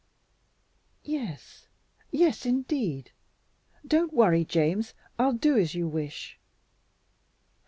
"Yes, yes indeed! Don't worry, James. I'll do as you wish."